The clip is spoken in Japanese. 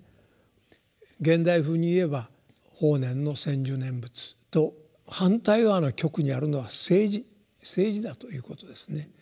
現代風に言えば法然の専修念仏と反対側の極にあるのは政治政治だということですね。